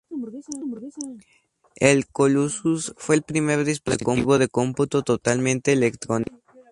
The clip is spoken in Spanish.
El Colossus fue el primer dispositivo de cómputo totalmente electrónico.